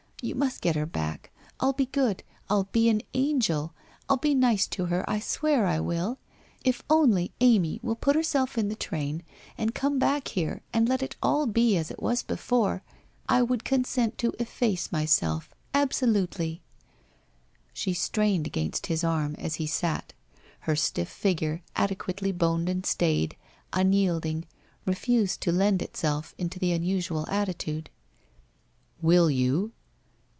You must get her back. I'll be good. I'll be an angel. I'll be nice to her, I swear I will ! If only Amy will put herself in the train and come back here and let it all be as it was before, I would consent to efface myself, ab solutely ' She strained against his arm as he sat. Her stiff figure, adequately boned and stayed, unyielding, refused to lend itself to the unusual attitude. 4 Will you?'